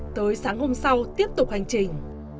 tới sáng hôm sau tiếp tục hành trình